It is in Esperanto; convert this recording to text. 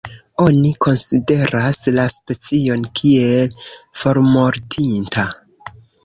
Oni konsideras la specion kiel formortinta.